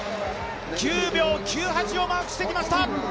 ９秒９８をマークしてきました。